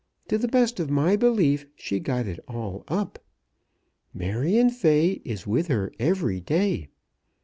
To the best of my belief she got it all up. Marion Fay is with her every day.